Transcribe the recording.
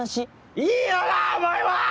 いいよなぁお前は！